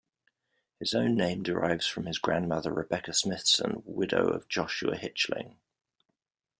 His own name derives from his grandmother Rebecca Smithson, widow of Joshua Hitchling.